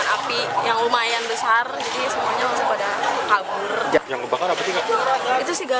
api berkobar di jalan anggrek setiabudi jakarta selatan pada kamis malam